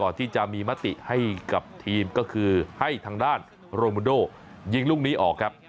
ก่อนที่จะมีมติให้กับทีมก็คือให้ทางด้านโรมูโดยิงลูกนี้ออกครับ